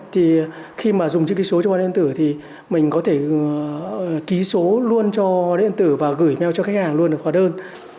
thì khi mà dùng chữ ký số cho hóa điện tử thì mình có thể ký số luôn cho hóa điện tử và gửi mail cho khách hàng luôn ở khóa đơn